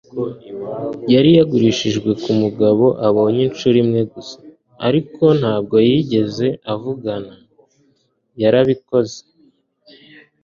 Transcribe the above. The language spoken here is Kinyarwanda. yari yagurishijwe kumugabo yabonye inshuro imwe gusa, ariko ntabwo yigeze avugana. yarabikoze